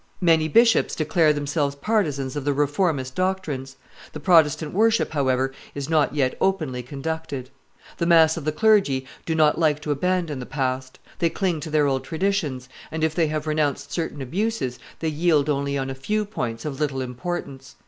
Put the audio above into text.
Many bishops declare themselves partisans of the reformist doctrines. The Protestant worship, however, is not yet openly conducted. The mass of the clergy do not like to abandon the past; they cling to their old traditions, and, if they have renounced certain abuses, they yield only on a few points of little importance.